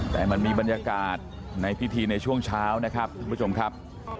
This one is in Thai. แต่มันมีบรรยากาศในพิธีในช่วงเช้านะครับท่านผู้ชมครับ